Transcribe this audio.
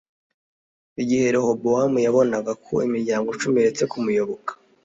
igihe rehobowamu yabonaga ko imiryango cumi iretse kumuyoboka